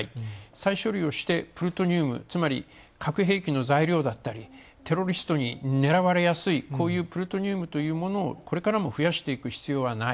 再処理をしてプルトニウム、つまり核兵器の材料だったり、テロリストに狙われやすい、こういうプルトニウムというものをこれからも増やしていく必要はない。